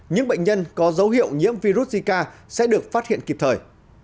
những bệnh nhân có dấu hiệu nhiễm virus zika sẽ được phát hiện kịp thời